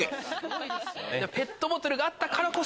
「ペットボトル」があったからこそ。